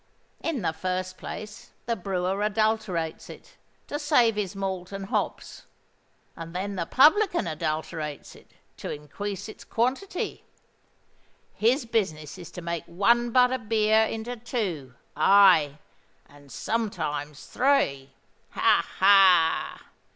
In the first place the brewer adulterates it, to save his malt and hops; and then the publican adulterates it, to increase its quantity. His business is to make one butt of beer into two—aye, and sometimes three. Ha! ha!